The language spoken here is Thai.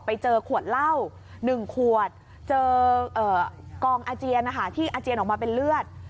ไปเจอขวดเหล้า๑ขวดเจอกองอาเจียนนะคะที่อาเจียนออกมาเป็นเลือด